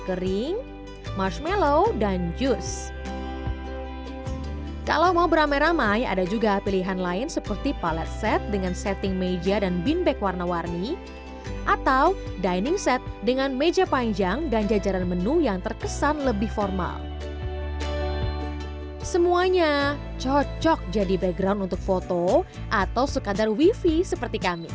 ada beragam camilan kue kering marshmallow dan jus kalau mau beramai ramai ada juga pilihan lain seperti palet set dengan setting meja dan bin bag warna warni atau dining set dengan meja panjang dan jajaran menu yang terkesan lebih formal semuanya cocok jadi background untuk foto atau sekadar wifi seperti kami